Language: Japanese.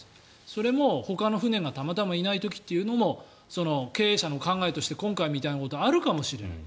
それも、ほかの船がたまたまいない時というのも経営者の考えとして今回みたいなことがあるかもしれない。